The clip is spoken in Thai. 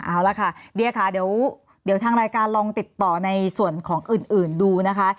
เอาละค่ะเดียค่ะเดี๋ยวทางรายการลองติดต่อในส่วนของอื่นดูนะคะ